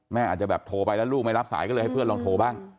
อาจจะแบบโทรไปแล้วลูกไม่รับสายก็เลยให้เพื่อนลองโทรบ้าง